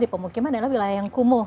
di pemukiman adalah wilayah yang kumuh